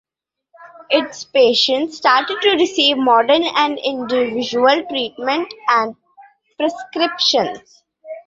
Its patients started to receive modern and individual treatment and prescriptions.